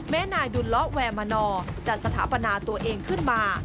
นายดุลละแวมนอร์จะสถาปนาตัวเองขึ้นมา